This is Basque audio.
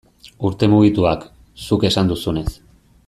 Urte mugituak, zuk esan duzunez.